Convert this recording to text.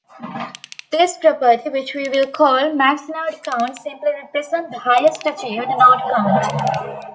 This property, which we will call MaxNodeCount simply represents the highest achieved NodeCount.